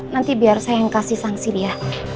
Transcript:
nanti biar saya yang kasih sanksi dia